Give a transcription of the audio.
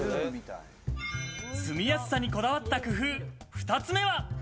住みやすさにこだわった工夫、２つ目は。